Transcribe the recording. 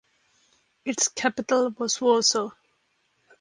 Its capital was Warsaw.